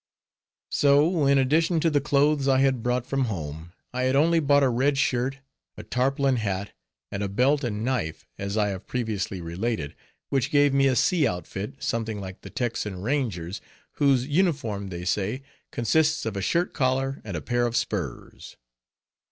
So in addition to the clothes I had brought from home, I had only bought a red shirt, a tarpaulin hat, and a belt and knife, as I have previously related, which gave me a sea outfit, something like the Texan rangers', whose uniform, they say, consists of a shirt collar and a pair of spurs.